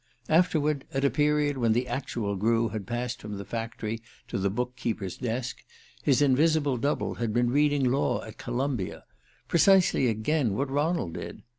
Afterward, at a period when the actual Grew had passed from the factory to the bookkeeper's desk, his invisible double had been reading law at Columbia precisely again what Ronald did!